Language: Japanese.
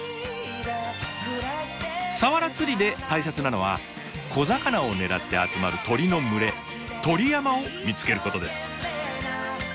サワラ釣りで大切なのは小魚を狙って集まる鳥の群れ「鳥山」を見つけることです。